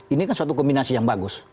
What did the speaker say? ini kan suatu kombinasi yang bagus